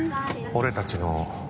俺たちの。